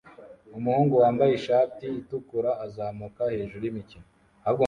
Umuhungu wambaye ishati itukura azamuka hejuru yimikino